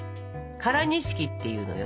「唐錦」っていうのよ。